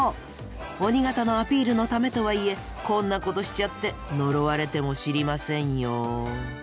鬼形のアピールのためとはいえこんなことしちゃって呪われても知りませんよ。